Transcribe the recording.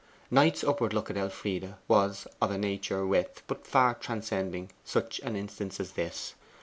Knight's upward look at Elfride was of a nature with, but far transcending, such an instance as this.